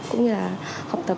cũng như là học tập